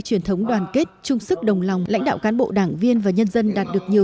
truyền thống đoàn kết chung sức đồng lòng lãnh đạo cán bộ đảng viên và nhân dân đạt được nhiều